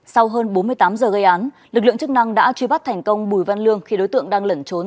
sau hơn bốn mươi tám giờ gây án lực lượng chức năng đã truy bắt thành công bùi văn lương khi đối tượng đang lẩn trốn